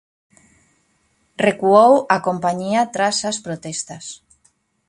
Recuou a compañía tras as protestas.